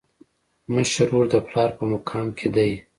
مشر ورور د پلار په مقام کي دی.